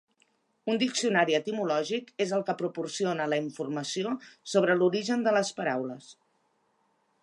Un diccionari etimològic és el que proporciona la informació sobre l'origen de les paraules.